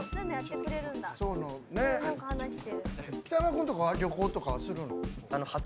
北山君とかは旅行とかはするの？